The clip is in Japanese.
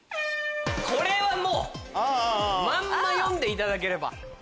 これはまんま読んでいただければ。